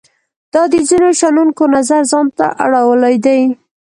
دا د ځینو شنونکو نظر ځان ته اړولای دی.